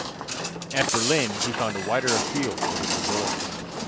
At Berlin, he found a wider field for his abilities.